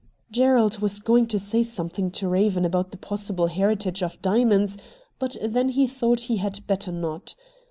Gerald was going to say something to Eaven about the possible heritage of dia monds, but then he thought he had better not.